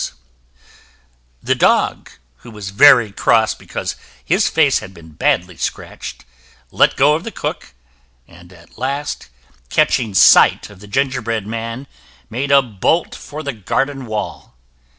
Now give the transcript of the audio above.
The dog, who was very cross because his face had been badly scratched, let go of the cook, and at last, catching sight of the gingerbread man, made a bolt for the garden wall.